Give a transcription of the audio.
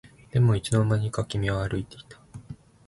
でもいつの間にか君は歩いていた